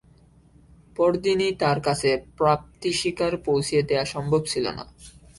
পরদিনই তাঁর কাছে প্রাপ্তিস্বীকার পৌঁছিয়ে দেওয়া সম্ভব ছিল না।